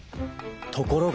ところが。